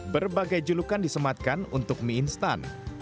berbagai julukan disematkan untuk mie instan